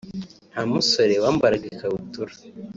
nta musore wambaraga ikabutura